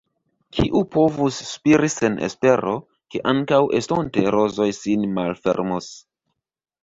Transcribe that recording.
Kiu povus spiri sen espero, ke ankaŭ estonte rozoj sin malfermos.